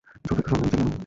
ছোট একটা সন্দেহ ছিল।